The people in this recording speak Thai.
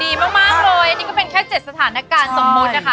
ดีมากหมูเอนี้ก็แค่๗สถานการณ์สมมตินะคะ